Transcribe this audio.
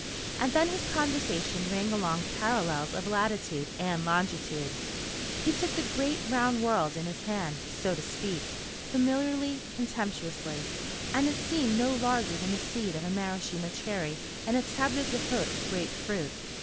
And then his conversation rang along parallels of latitude and longitude. He took the great, round world in his hand, so to speak, familiarly, contemptuously, and it seemed no larger than the seed of a Maraschino cherry in a table d'hôte grape fruit.